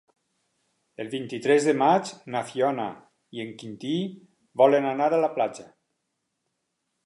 El vint-i-tres de maig na Fiona i en Quintí volen anar a la platja.